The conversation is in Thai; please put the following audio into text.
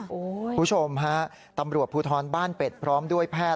คุณผู้ชมฮะตำรวจภูทรบ้านเป็ดพร้อมด้วยแพทย์